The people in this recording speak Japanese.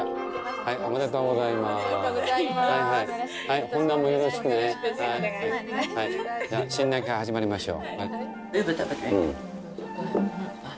はい新年会始まりましょう。